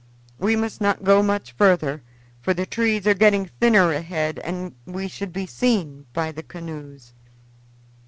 We must not go much further, for the trees are getting thinner ahead and we should be seen by the canoes."